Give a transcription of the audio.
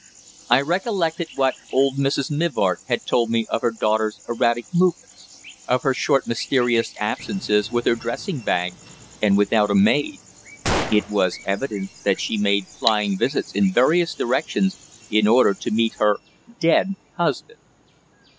I recollected what old Mrs. Mivart had told me of her daughter's erratic movements; of her short mysterious absences with her dressing bag and without a maid. It was evident that she made flying visits in various directions in order to meet her "dead" husband.